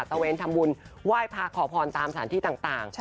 ตะเว้นธรรมบุญไหว้พาขอพรตามสถานที่ต่าง